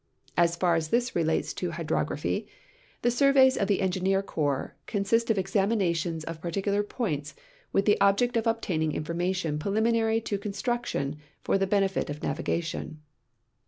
As far as this relates to hydrography, the sur veys of the Engineer Corps consist of examinations of particular points with the object of obtaining information preliminary to construction for the benefit of navigation.